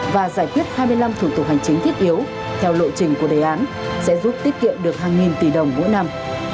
và giải quyết hai mươi năm thủ tục hành chính thiết yếu theo lộ trình của đề án sẽ giúp tiết kiệm được hàng nghìn tỷ đồng mỗi năm